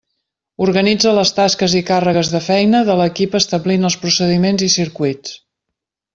Organitza les tasques i càrregues de feina de l'equip establint els procediments i circuits.